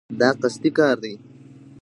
دا قصدي کار دی.